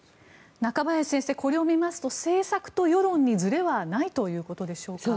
中林先生、これを見ますと政策と世論にずれはないということでしょうか？